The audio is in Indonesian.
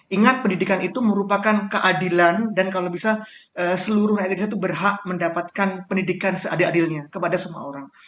ingat pendidikan itu merupakan keadilan dan kalau bisa seluruh rakyat indonesia itu berhak mendapatkan pendidikan seadil adilnya kepada semua orang